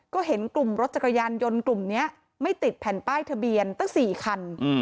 ก็เห็นกลุ่มรถจักรยานยนต์กลุ่มนี้ไม่ติดแผ่นป้ายทะเบียนตั้ง๔คัน